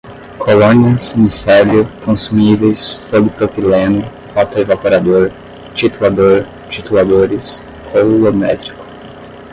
colônias, micélio, consumíveis, polipropileno, rotaevaporador, titulador, tituladores, coulométrico